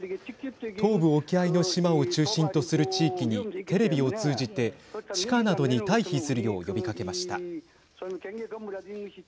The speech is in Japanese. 東部沖合の島を中心とする地域にテレビを通じて地下などに退避するよう呼びかけました。